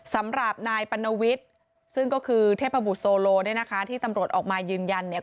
สำหรับนายปัณวิทย์ซึ่งก็คือเทพบุตรโซโลเนี่ยนะคะที่ตำรวจออกมายืนยันเนี่ย